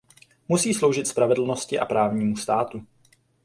Musí sloužit spravedlnosti a právnímu státu.